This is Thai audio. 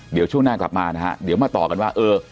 เดี๋ยวช่วงหน้ากลับมานะฮะเดี๋ยวมาต่อกันว่าเออ